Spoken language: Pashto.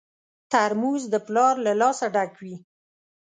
ترموز د پلار له لاسه ډک وي.